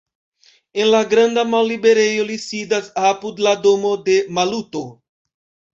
En la granda malliberejo li sidas, apud la domo de Maluto.